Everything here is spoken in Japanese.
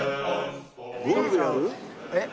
えっ？